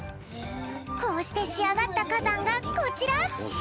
こうしてしあがったかざんがこちら！